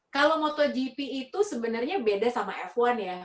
kalau moto jipi itu sebenernya beda sama f satu ya